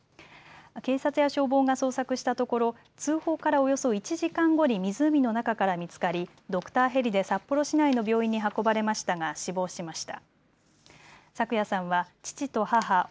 警察や消防が捜索したところ通報からおよそ１時間後に湖の中から見つかりドクターヘリで札幌市内の病院に運ばれましたが死亡しました。